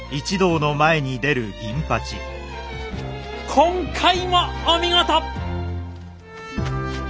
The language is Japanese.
今回もお見事！